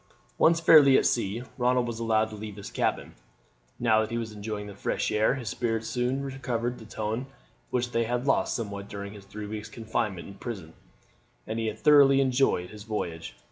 Once fairly at sea Ronald was allowed to leave his cabin. Now that he was enjoying the fresh air his spirits soon recovered the tone which they had lost somewhat during his three weeks' confinement in prison, and he thoroughly enjoyed his voyage.